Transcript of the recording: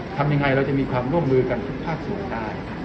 ทำยังไงเราจะมีความร่วมมือกันทุกภาคส่วนได้